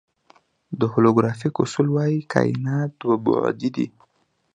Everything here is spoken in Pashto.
د هولوګرافیک اصول وایي کائنات دوه بعدی دی.